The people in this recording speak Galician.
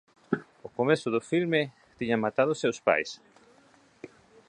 Ó comezo do filme tiña matado os seus pais.